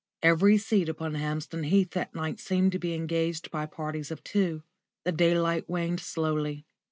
Every seat upon Hampstead Heath that night seemed to be engaged by parties of two. The daylight waned slowly.